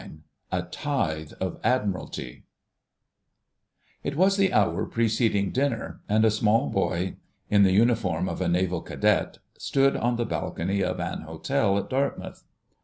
* *A TITHE OF ADMIRALTY* It was the hour preceding dinner, and a small boy in the uniform of a Naval Cadet stood on the balcony of an hotel at Dartmouth.